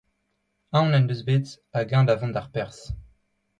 Aon en deus bet hag eñ da vont d'ar pers !